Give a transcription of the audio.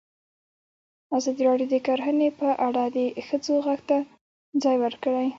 ازادي راډیو د کرهنه په اړه د ښځو غږ ته ځای ورکړی.